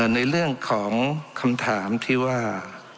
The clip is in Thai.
ในเรื่องของคำถามที่ว่า